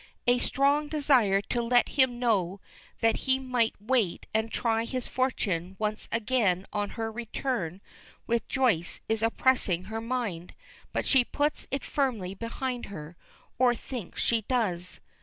A strong desire to let him know that he might wait and try his fortune once again on her return with Joyce is oppressing her mind, but she puts it firmly behind her, or thinks she does.